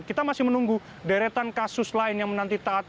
kita masih menunggu deretan kasus lain yang menanti taat